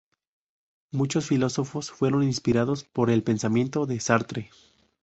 Muchos filósofos fueron inspirados por el pensamiento de Sartre.